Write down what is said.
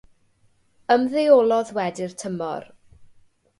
Ymddeolodd wedi'r tymor.